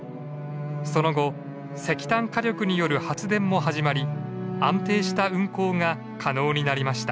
その後石炭火力による発電も始まり安定した運行が可能になりました。